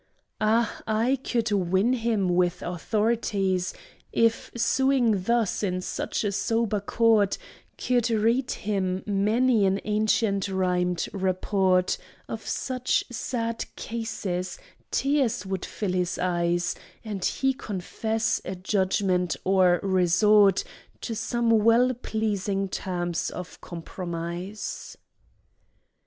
Ah, I could win him with authorities, If suing thus in such a sober court; Could read him many an ancient rhym'd report Of such sad cases, tears would fill his eyes And he confess a judgment, or resort To some well pleasing terms of compromise!